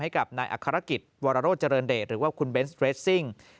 ให้กับนายอัครกิจวรโรเจริญเดชหรือว่าคุณเบนส์เรสซิ่ง